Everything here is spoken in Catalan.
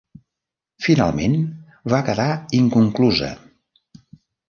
Finalment, va quedar inconclusa.